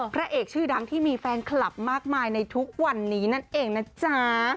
พระเอกชื่อดังที่มีแฟนคลับมากมายในทุกวันนี้นั่นเองนะจ๊ะ